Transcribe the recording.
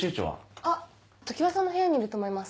あっ常葉さんの部屋にいると思います。